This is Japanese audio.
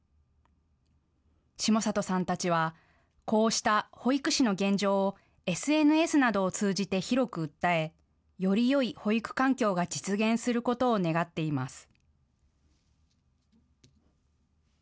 下里さんたちはこうした保育士の現状をＳＮＳなどを通じて広く訴えよりよい保育環境が実現することを願っています。